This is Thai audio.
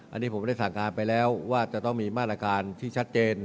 อันนี้ผมได้สั่งการไปแล้วว่าจะต้องมีมาตรการที่ชัดเจน